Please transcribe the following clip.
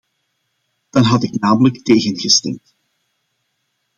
Dan had ik namelijk tegengestemd.